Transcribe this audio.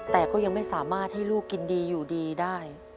แต่ก็ยังไม่สามารถให้ลูกกินดีอยู่ดีได้